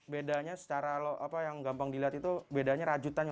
bedanya secara yang gampang dilihat itu bedanya rajutan